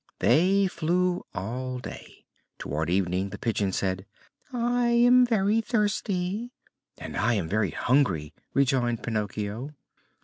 They flew all day. Towards evening the Pigeon said: "I am very thirsty!" "And I am very hungry!" rejoined Pinocchio.